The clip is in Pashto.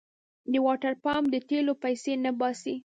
د واټرپمپ د تېلو پيسې نه باسي.